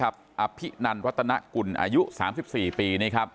อภินันวัตนกุลอายุ๓๔ปี